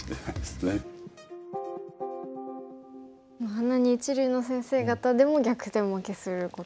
あんなに一流の先生方でも逆転負けすることもあるんですね。